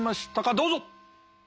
どうぞ！